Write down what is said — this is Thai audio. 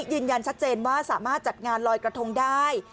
ยืนยันชัดเจนว่าสามารถจัดงานลอยกระทงได้